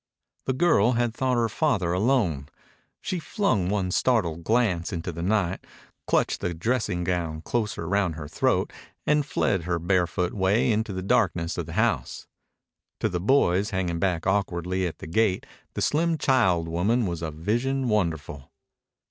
The girl had thought her father alone. She flung one startled glance into the night, clutched the dressing gown closer round her throat, and fled her barefoot way into the darkness of the house. To the boys, hanging back awkwardly at the gate, the slim child woman was a vision wonderful.